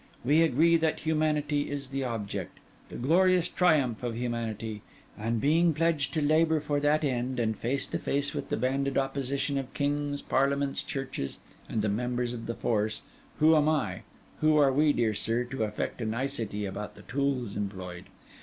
We agree that humanity is the object, the glorious triumph of humanity; and being pledged to labour for that end, and face to face with the banded opposition of kings, parliaments, churches, and the members of the force, who am I—who are we, dear sir—to affect a nicety about the tools employed?